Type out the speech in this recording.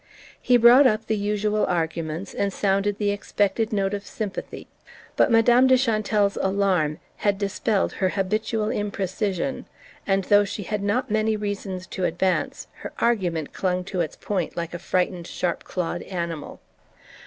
He brought up the usual arguments, and sounded the expected note of sympathy; but Madame de Chantelle's alarm had dispelled her habitual imprecision, and, though she had not many reasons to advance, her argument clung to its point like a frightened sharp clawed animal.